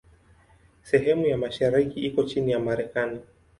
Sehemu ya mashariki iko chini ya Marekani.